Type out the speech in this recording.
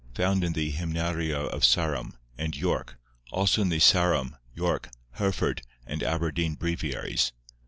Found in the Hymnaria of Sarum, and York, also in the Sarum, York, Hereford, and Aberdeen Breviaries.